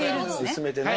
薄めてね。